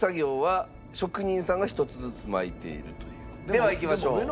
ではいきましょう。